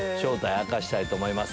明かしたいと思います。